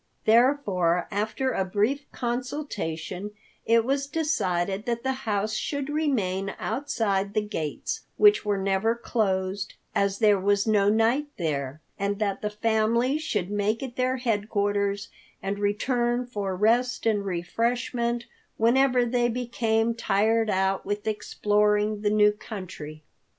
Therefore after a brief consultation, it was decided that the house should remain outside the gates, which were never closed, as there was no night there; and that the family should make it their headquarters and return for rest and refreshment whenever they became tired out with exploring the new country.